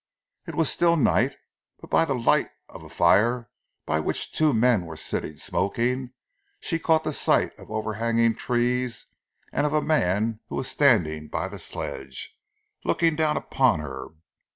It was still night, but by the light of a fire by which two men were sitting smoking, she caught the sight of overhanging trees and of a man who was standing by the sledge, looking down upon her.